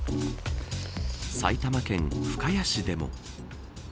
埼玉県深谷市でも。